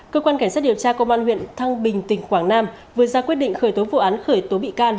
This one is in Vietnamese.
cơ quan cảnh sát điều tra công an huyện thăng bình tỉnh quảng nam vừa ra quyết định khởi tố vụ án khởi tố bị can